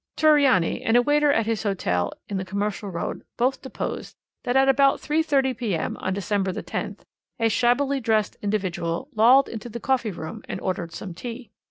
Torriani and a waiter at his hotel in the Commercial Road both deposed that at about 3.30 p.m. on December the 10th a shabbily dressed individual lolled into the coffee room and ordered some tea.